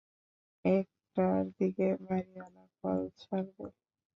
একটার দিকে বাড়িওয়ালা কল ছাড়বে।